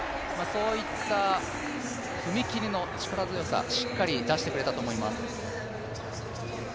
そういった踏み切りの力強さ、しっかり出してくれたと思います。